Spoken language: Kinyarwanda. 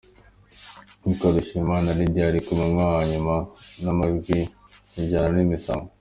Uwitwa Dushimimana Lydia ari ku mwanya wa nyuma n’amajwi ijana n’imisago.